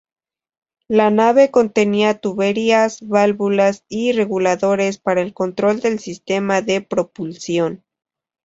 La nave contenía tuberías, válvulas y reguladores para el control del sistema de propulsión.